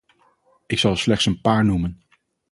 Ik zal er slechts een paar noemen.